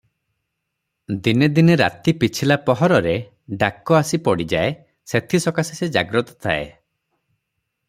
ଦିନେ ଦିନେ ରାତି ପିଛିଲା ପହରରେ ଡାକ ଆସି ପଡ଼ିଯାଏ, ସେଥିସକାଶେ ସେ ଜାଗ୍ରତ ତାଏ ।